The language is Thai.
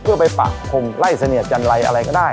เพื่อไปปะพรมไล่เสนียจันไรอะไรก็ได้